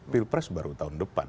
pilpres baru tahun depan